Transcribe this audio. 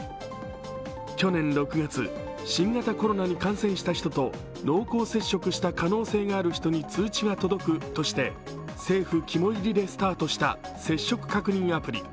去年６月、新型コロナに感染した人と濃厚接触した可能性がある人に届く、政府肝煎りでスタートした積極確認アプリ。